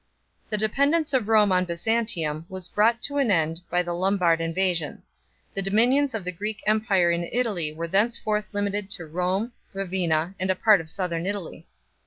The dependence of Rome on Byzantium was brought to an end by the Lombard invasion. The dominions of the Greek empire in Italy were thenceforth limited to Rome, Ravenna, and a part of southern Italy.